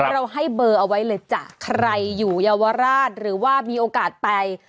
ให้เบอร์เอาไว้เลยจ้ะใครอยู่เยาวราชหรือว่ามีโอกาสไป